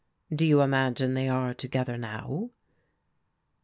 "Do you imagine they are together now?